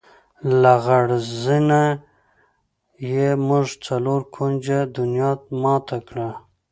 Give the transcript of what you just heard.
لغړزنیه! موږ څلور کونجه دنیا ماته کړه.